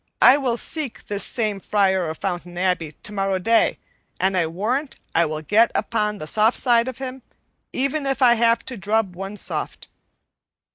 I will seek this same Friar of Fountain Abbey tomorrow day, and I warrant I will get upon the soft side of him, even if I have to drub one soft."